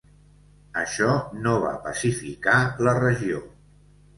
Això no va pacificar la regió.